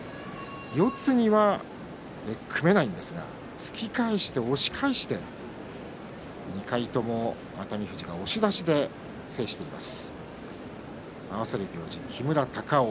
四つには組めないんですが突き返して押し返して２回とも熱海富士が押し出しで制しています。